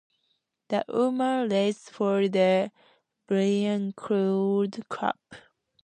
The women race for the "Bryan Gould Cup".